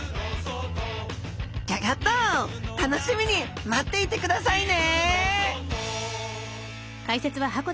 ギョギョッと楽しみに待っていてくださいね！